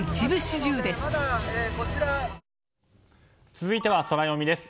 続いてはソラよみです。